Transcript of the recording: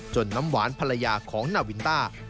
น้ำหวานภรรยาของนาวินต้า